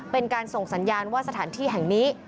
เป็นการส่งสัญญาณว่าสถานที่แห่งนี้